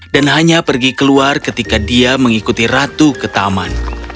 dan hanya pergi keluar ketika dia mengikuti ratu ke taman